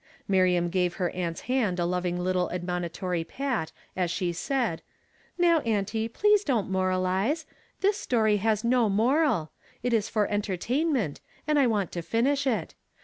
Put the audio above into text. Miriam gave her aunt's hand a loving little admonitory pat as she said :" Now, auntie, please don't moralize. This story has no moral ; it is for entertainment, and I want to finish it.